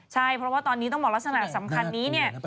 ใช่เพราะว่าตอนนี้ต้องบอกลักษณะสำคัญนี้เนี่ย